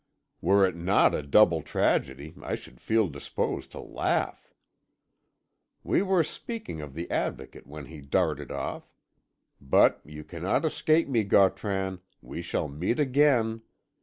"Were it not a double tragedy I should feel disposed to laugh. "We were speaking of the Advocate when he darted off. But you cannot escape me, Gautran; we shall meet again.